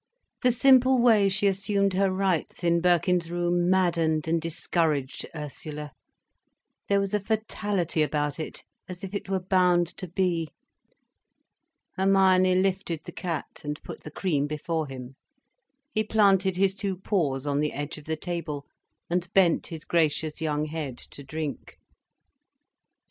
The simple way she assumed her rights in Birkin's room maddened and discouraged Ursula. There was a fatality about it, as if it were bound to be. Hermione lifted the cat and put the cream before him. He planted his two paws on the edge of the table and bent his gracious young head to drink.